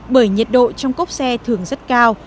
bởi nhiệt độ trong cốc xe thường rất cao